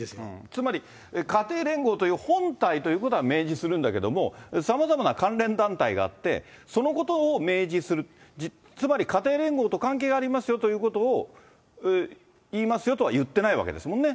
つまり家庭連合という本体ということは明示するんだけども、さまざまな関連団体があって、そのことを明示する、つまり家庭連合と関係がありますよということを、言いますよとは言ってないわけですもんね。